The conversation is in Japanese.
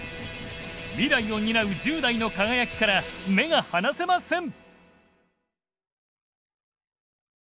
未来を担う１０代の輝きから目が離せません！